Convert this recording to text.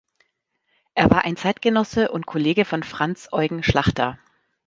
Er war ein Zeitgenosse und Kollege von Franz Eugen Schlachter.